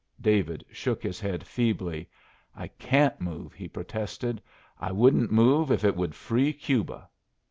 David shook his head feebly. "I can't move!" he protested. "I wouldn't move if it would free Cuba."